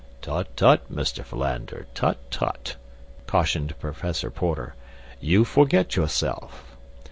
"Tut, tut, Mr. Philander, tut, tut!" cautioned Professor Porter; "you forget yourself."